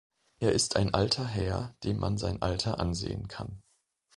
Er ist ein alter Herr, dem man sein Alter ansehen kann.